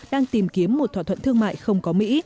đang tìm kiếm một thỏa thuận thương mại không có mỹ